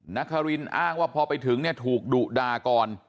นครินอ้างว่าพอไปถึงเนี่ยถูกดุด่าก่อน